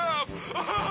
アハハ！